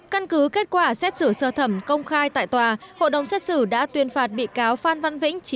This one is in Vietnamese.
căn cứ kết quả xét xử sơ thẩm công khai tại tòa hội đồng xét xử đã tuyên phạt bị cáo phan văn vĩnh